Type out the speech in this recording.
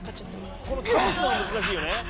倒すのが難しいよね。